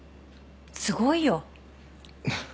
すごいよ。